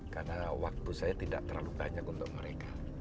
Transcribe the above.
karena waktu saya tidak terlalu banyak untuk mereka